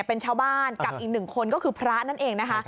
เป็นชาวบ้านกับอีกหนึ่งคนก็คือพระนั่นเองนะคะ